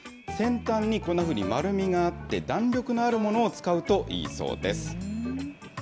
先端にこんなふうに丸みがあって、弾力のあるものを使うといいそうです。